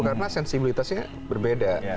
karena sensibilitasnya berbeda